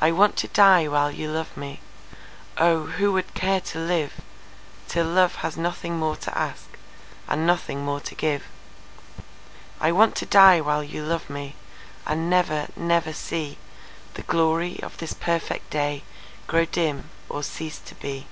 I want to die while you love meOh, who would care to liveTill love has nothing more to askAnd nothing more to give!I want to die while you love meAnd never, never seeThe glory of this perfect dayGrow dim or cease to be.